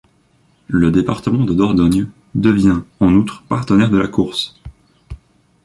Le département de Dordogne devient en outre partenaire de la course.